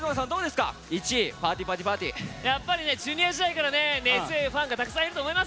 やっぱりＪｒ．時代から根強いファンがたくさんいると思います